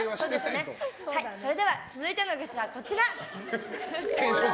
それでは続いての愚痴はこちら。